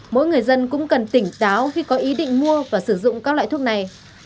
mỗi người dân cũng cần tỉnh táo khi có ý định mua và sử dụng các loại thuốc này